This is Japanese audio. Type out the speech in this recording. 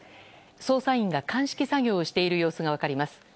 捜査員が鑑識作業をしている様子が分かります。